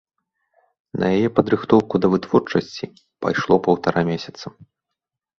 На яе падрыхтоўку да вытворчасці пайшло паўтара месяца.